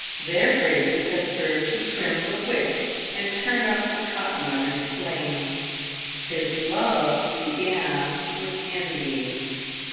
Their praises had served to trim the wick and turn up the cotton of his flame. His love began with envy.